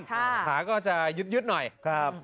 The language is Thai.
ขาก็จะยึดหน่อยครับ